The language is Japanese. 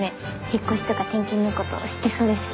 引っ越しとか転勤のこと知ってそうだし。